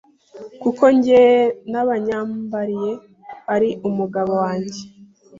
kuko njye n’abanyambariye ari umugabo wange